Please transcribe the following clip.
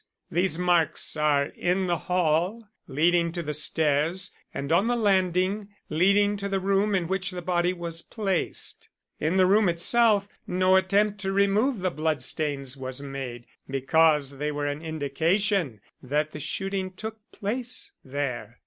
These marks are in the hall leading to the stairs and on the landing leading to the room in which the body was placed. In the room itself no attempt to remove the blood stains was made, because they were an indication that the shooting took place there.